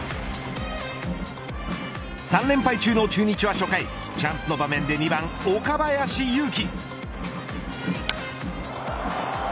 ３連敗中の中日は初回チャンスの場面で２番岡林勇希。